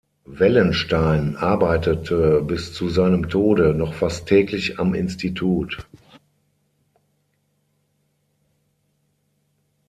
Wellenstein arbeitete bis zu seinem Tode noch fast täglich am Institut.